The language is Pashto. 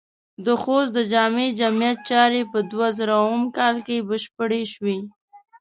د خوست د جامع جماعت چارې په دوهزرم م کال کې بشپړې شوې.